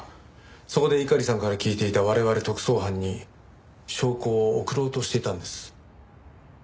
そこで猪狩さんから聞いていた我々特捜班に証拠を送ろうとしていたんです。